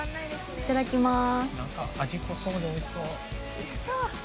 いただきます。